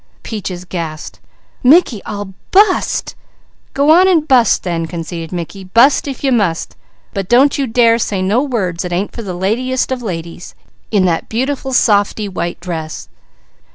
Peaches gasped: "Mickey, I'll bust!" "Go on and bust then!" conceded Mickey. "Bust if you must; but don't you dare say no words that ain't for the ladiest of ladies, in that beautiful, softy, white dress."